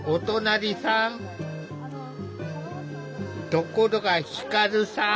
ところが輝さん。